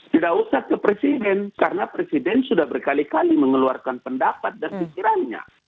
tidak usah ke presiden karena presiden sudah berkali kali mengeluarkan pendapat dan pikirannya